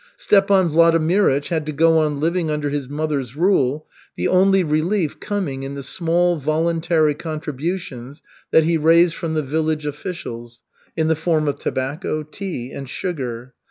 Stepan Vladimirych had to go on living under his mother's rule, the only relief coming in the small voluntary contributions that he raised from the village officials in the form of tobacco, tea, and sugar.